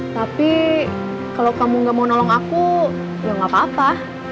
tapi kalau kamu gak mau nolong aku ya gak apa apa